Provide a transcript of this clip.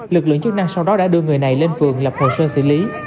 lực lượng chức năng sau đó đã đưa người này lên phường lập hồ sơ xử lý